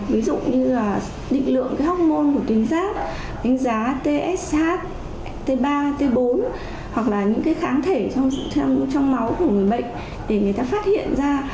ví dụ như là định lượng hốc môn của tính giác tính giá tsh t ba t bốn hoặc là những kháng thể trong máu của người bệnh để người ta phát hiện ra